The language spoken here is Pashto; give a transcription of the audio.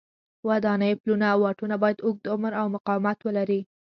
ودانۍ، پلونه او واټونه باید اوږد عمر او مقاومت ولري.